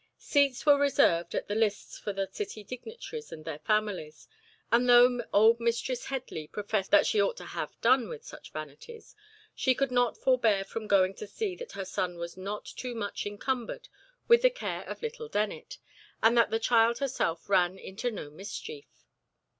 Seats were reserved at the lists for the city dignitaries and their families, and though old Mistress Headley professed that she ought to have done with such vanities, she could not forbear from going to see that her son was not too much encumbered with the care of little Dennet, and that the child herself ran into no mischief.